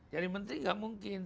jadi menteri gak mungkin